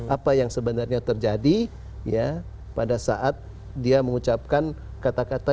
apa yang sebenarnya terjadi pada saat dia mengucapkan kata kata